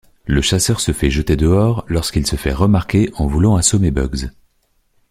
Le chasseur se fait jeter dehors lorsqu'il se fait remarquer en voulant assommer Bugs.